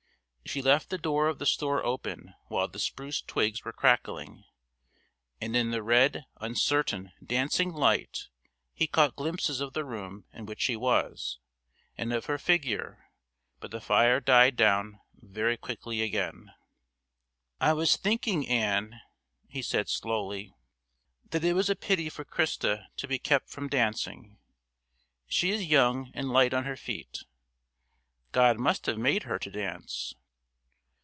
She left the door of the stove open while the spruce twigs were crackling, and in the red, uncertain, dancing light he caught glimpses of the room in which he was, and of her figure, but the fire died down very quickly again. "I was thinking, Ann," he said slowly, "that it was a pity for Christa to be kept from dancing. She is young and light on her feet. God must have made her to dance."